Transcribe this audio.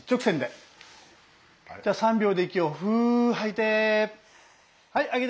じゃあ３秒で息をフー吐いて。